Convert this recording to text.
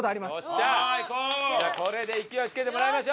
これで勢いつけてもらいましょう！